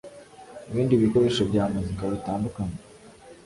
ibindi bikoresho bya muzika bitandukanye.